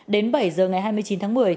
đến bảy giờ ngày hai mươi chín tháng một mươi